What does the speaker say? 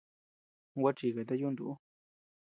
Gua chikata yuntu ú.